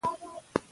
پر غلیم یرغل وکړه.